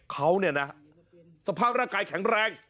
เขาเนี่ยนะสภาพร่างกายแข็งแรง